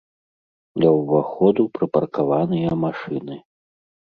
Ля ўваходу прыпаркаваныя машыны.